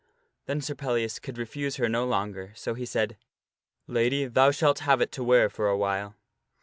Then Sir Pellias could refuse her no longer, so he said, " Lady, thou shalt have it to wear for a while."